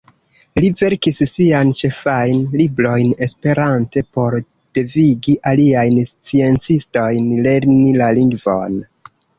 Li verkis sian ĉefajn librojn esperante por devigi aliajn sciencistojn lerni la lingvon.